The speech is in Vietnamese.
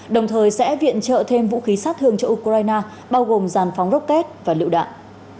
đồng thời sẽ viện trợ thêm vũ khí sát thương cho ukraine bao gồm giàn phóng rocket và lựu đạn